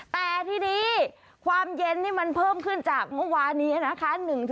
แต่ทีนี้ความเย็นนี่มันเพิ่มขึ้นจากเมื่อวานนี้นะคะ